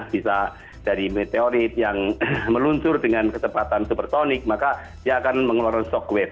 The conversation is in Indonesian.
bisa dari meteorit yang meluncur dengan kecepatan supertonik maka dia akan mengeluarkan shockwave